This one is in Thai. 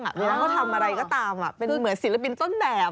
แล้วเขาทำอะไรก็ตามเป็นเหมือนศิลปินต้นแบบ